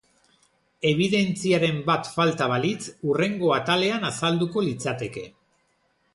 Ebidentziaren bat falta balitz, hurrengo atalean azalduko litzateke.